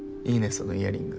そのイヤリング。